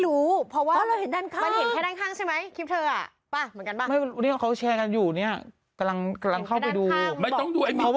คุณบาไหมบาสิไม่รู้พี่มดพูดอย่างนี้ไม่ได้นะ